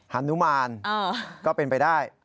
ฮานุมานก็เป็นไปได้